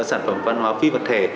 sản phẩm văn hóa phi vật thể